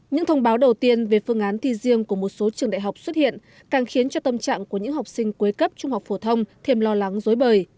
những thông báo đầu tiên về phương án thi riêng của một số trường đại học xuất hiện càng khiến cho tâm trạng của những học sinh cuối cấp trung học phổ thông thêm lo lắng dối bời